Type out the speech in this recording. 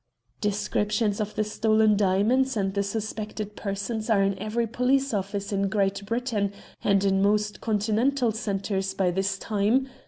"Descriptions of the stolen diamonds and of the suspected persons are in every police office in Great Britain and in most Continental centres by this time.